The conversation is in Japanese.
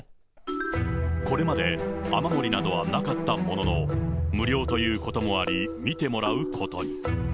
これまで、雨漏りなどはなかったものの、無料ということもあり見てもらうことに。